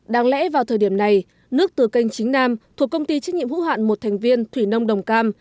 đáng lẽ vào thời điểm này nước từ kênh chính nam thuộc công ty trách nhiệm hữu hạn một thành viên thủy nông đồng cam